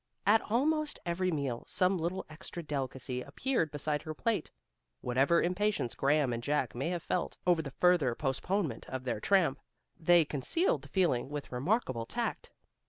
At almost every meal some little extra delicacy appeared beside her plate. Whatever impatience Graham and Jack may have felt over the further postponement of their tramp, they concealed the feeling with remarkable tact.